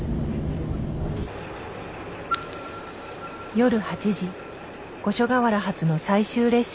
夜８時五所川原発の最終列車。